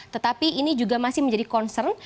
tetapi ini juga masih menjadi concern